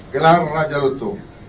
gelar raja lutuh